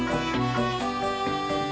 es dawat segar